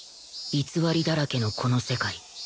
偽りだらけのこの世界